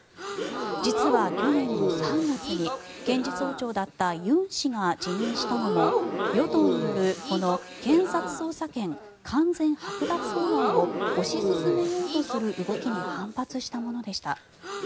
実は去年３月に検事総長だった尹氏が辞任したのも、与党によるこの検察捜査権完全剥奪法案を推し進めようとする動きに反発したものでした。